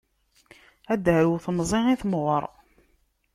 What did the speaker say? A d-tarew temẓi i temɣer.